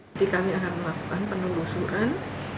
jadi kami akan melakukan penelusuran